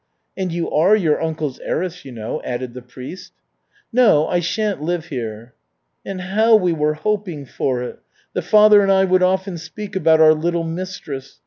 "And you are your uncle's heiress, you know," added the priest. "No, I sha'n't live here." "And how we were hoping for it! The father and I would often speak about our little mistress.